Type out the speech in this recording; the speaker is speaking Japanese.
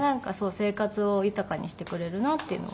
生活を豊かにしてくれるなっていうのは。